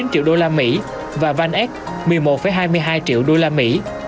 hai mươi bốn tám mươi chín triệu đô la mỹ và vaneck một mươi một hai mươi hai triệu đô la mỹ